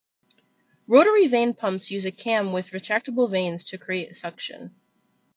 Rotary vane pumps use a cam with retractable vanes to create suction.